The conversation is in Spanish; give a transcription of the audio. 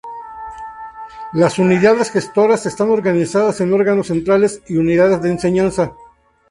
Las unidades gestoras están organizadas en órganos Centrales, y Unidades de Enseñanza.